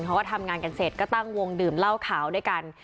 เขาก็ทำงานกันเสร็จก็ตั้งวงดื่มเหล้าขาวด้วยกัน